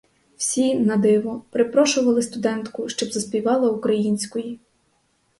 Всі, на диво, припрошували студентку, щоб заспівала української.